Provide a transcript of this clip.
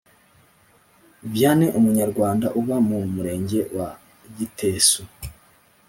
Vianney umunyarwanda uba mu Murenge wa gitesu